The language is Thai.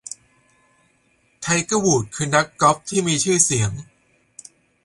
ไทเกอร์ วูดส์ คือนักกอล์ฟที่มีชื่อเสียง